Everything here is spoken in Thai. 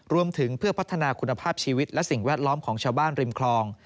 รวมถึงเพื่อพัฒนาคุณภาพชีวิตและสิ่งแวดล้อมของชาวบ้านริมคลอง